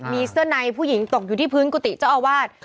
มีเสื้อในผู้หญิงตกอยู่ที่พื้นกุฏิเจ้าอาวาส